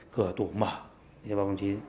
cửa tủ mở